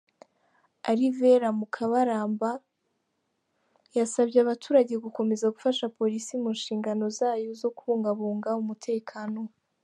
Alivera Mukabaramba, yasabye abaturage gukomeza gufasha polisi mu nshingano zayo zo kubungabunga umutekano.